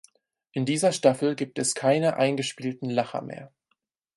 In dieser Staffel gibt es keine eingespielten Lacher mehr.